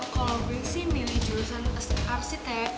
kalau gue sih milih jurusan arsitek